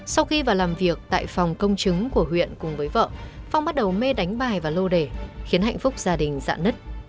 sau khi vào làm việc tại phòng công chứng của huyện cùng với vợ phong bắt đầu mê đánh bài và lô đề khiến hạnh phúc gia đình dạn nứt